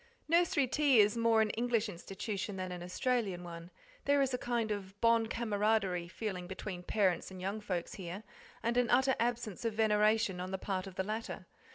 Nursery tea is more an English institution than an Australian one; there is a kind of bon camaraderie feeling between parents and young folks here, and an utter absence of veneration on the part of the latter.